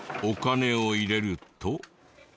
お金を入れると。